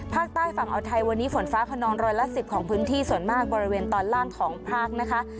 ภาคใต้ฝั่งอาวไทยวันนี้ฝนฟ้าขนองร้อยละ๑๐ของพื้นที่ส่วนมากบริเวณตอนล่างของภาคนะคะ